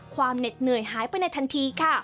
เหน็ดเหนื่อยหายไปในทันทีค่ะ